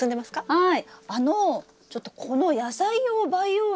はい。